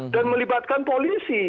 dan melibatkan polisi